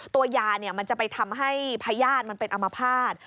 ตัวยาจะไปทำให้พยาตรเป็นอัมภาษณ์